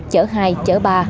chở hai chở ba